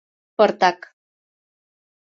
— Пыртак.